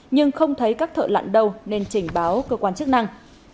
nhưng không thấy các thợ lặn đâu nên trình báo cơ quan chức năng